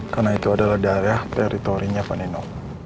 karena itu adalah daerah teritorinya pak nino